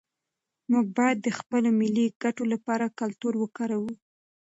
موږ باید د خپلو ملي ګټو لپاره کلتور وکاروو.